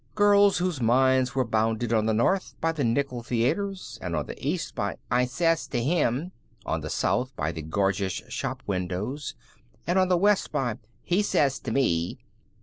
Girls whose minds were bounded on the north by the nickel theatres; on the east by "I sez to him"; on the south by the gorgeous shop windows; and on the west by "He sez t' me."